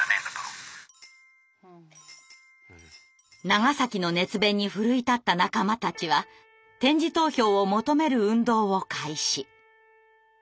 長の熱弁に奮い立った仲間たちは点字投票を求める運動を開始。